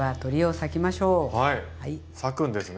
裂くんですね。